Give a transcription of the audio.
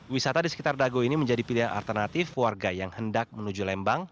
wisata di sekitar dago ini menjadi pilihan alternatif warga yang hendak menuju lembang